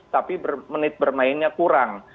tapi menit bermainnya kurang